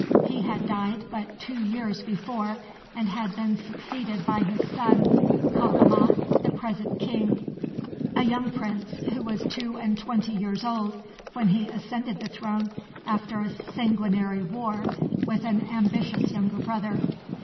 He had died but two years before, and had been succeeded by his son Cacama, the present king, a young prince who was two and twenty years old when he ascended the throne, after a sanguinary war with an ambitious younger brother.